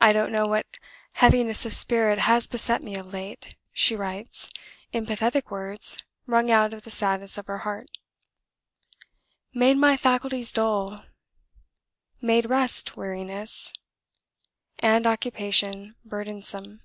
"I don't know what heaviness of spirit has beset me of late" (she writes, in pathetic words, wrung out of the sadness of her heart), "made my faculties dull, made rest weariness, and occupation burdensome.